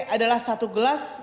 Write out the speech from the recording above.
adalah satu gelas